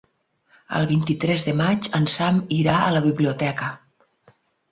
El vint-i-tres de maig en Sam irà a la biblioteca.